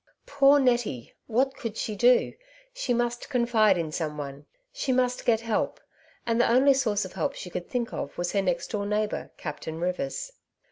Poor Nettie ! what cpuld she do ? She must confide in some one. She must get help, and the only "source of help she could think of was her next door neighbour. Captain Rivers.